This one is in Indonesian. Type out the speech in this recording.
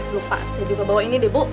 lupa saya juga bawa ini deh bu